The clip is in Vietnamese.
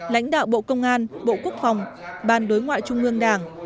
lãnh đạo bộ công an bộ quốc phòng ban đối ngoại trung ương đảng